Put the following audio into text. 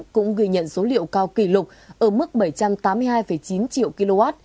cũng ghi nhận số liệu cao kỷ lục ở mức bảy trăm tám mươi hai chín triệu kw